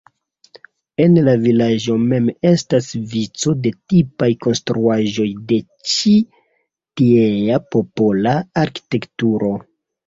En la vilaĝo mem estas vico de tipaj konstruaĵoj de ĉi tiea popola arkitekturo.